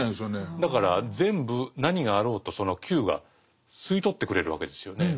だから全部何があろうとその「Ｑ」が吸い取ってくれるわけですよね。